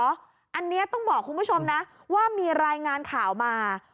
อันนี้ต้องบอกคุณผู้ชมนะว่ามีรายงานข่าวมา